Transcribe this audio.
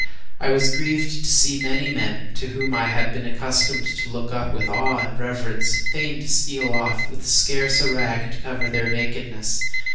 I was grieved to see many men, to whom I had been accustomed to look up with awe and reverence, fain to steal off with scarce a rag to cover their nakedness.